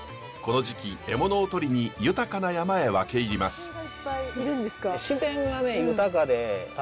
この時期獲物を捕りに豊かな山へ分け入ります。